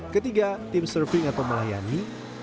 ketiga tim surfing atau melayani